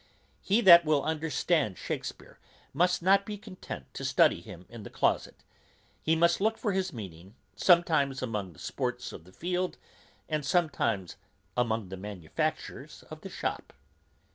He that will understand Shakespeare, must not be content to study him in the closet, he must look for his meaning sometimes among the sports of the field, and sometimes among the manufactures of the shop.